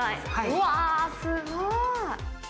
うわー、すごい。